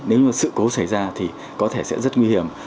nếu như sự cố xảy ra thì có thể sẽ rất nguy hiểm